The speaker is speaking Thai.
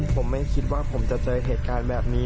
ผมไม่คิดว่าผมจะเจอเหตุการณ์แบบนี้